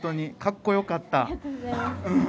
かっこよかった。